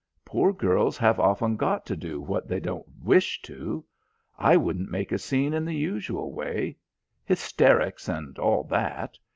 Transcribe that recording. "Poor girls have often got to do what they don't wish to. I wouldn't make a scene in the usual way. Hysterics and all that.